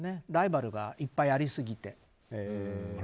ライバルがいっぱいありすぎて。